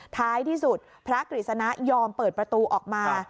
ท้ายที่สุดพระกฤษณะยอมเปิดประตูออกมา